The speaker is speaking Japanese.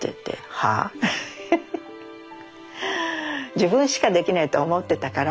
自分しかできないって思ってたから。